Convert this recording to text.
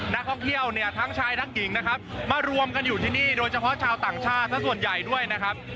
นักท่องเที่ยวเนี่ยทั้งชายทั้งหญิงนะครับมารวมกันอยู่ที่นี่โดยเฉพาะชาวต่างชาติสักส่วนใหญ่ด้วยนะครับ